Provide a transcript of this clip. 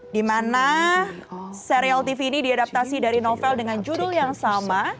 di mana serial tv ini diadaptasi dari novel dengan judul yang sama